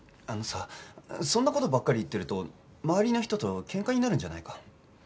あのさそんな事ばっかり言ってると周りの人と喧嘩になるんじゃないか？